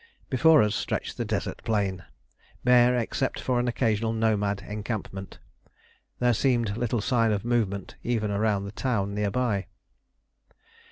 Before us stretched the desert plain, bare except for an occasional nomad encampment; there seemed little sign of movement, even around the town near by.